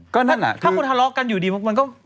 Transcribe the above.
ก็นั่นอ่ะถ้าคุณทะเลาะกันอยู่ดีมันก็